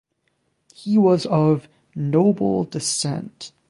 He was of "noble descent".